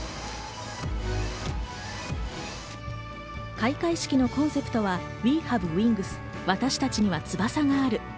開会式のコンセプトは「ＷＥＨＡＶＥＷＩＮＧＳ私たちには翼がある」。